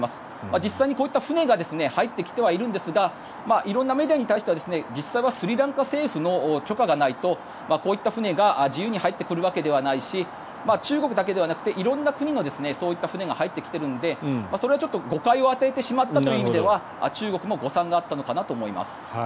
実際にこういった船が入ってきてはいるんですが色んなメディアに対しては実際はスリランカ政府の許可がないとこういった船が自由に入ってくるわけではないし中国だけじゃなくて色んな国の船が入ってきているのでそれはちょっと、誤解を与えてしまったという意味では中国も誤算があったのかなと思います。